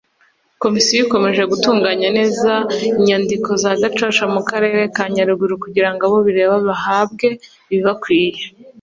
Komisiyo ikomeje gutunganya neza inyandiko za Gacaca mu Akarere ka nyaruguru kugira ngo abo bireba bahabwe ibibakwiriye